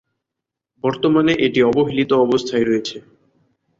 বর্তমানে এটি অবহেলিত অবস্থায় রয়েছে।